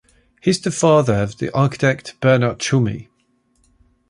He is the father of the architect Bernard Tschumi.